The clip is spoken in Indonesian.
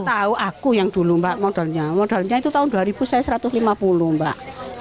tahu aku yang dulu mbak modalnya modalnya itu tahun dua ribu saya satu ratus lima puluh mbak